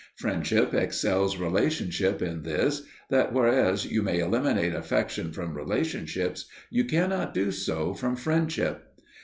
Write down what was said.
Friendship excels relationship in this, that whereas you may eliminate affection from relationship, you cannot do so from friendship.